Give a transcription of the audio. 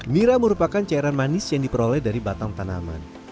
mira merupakan cairan manis yang diperoleh dari batang tanaman